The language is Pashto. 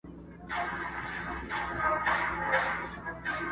نه يې وليده كراره ورځ په ژوند كي٫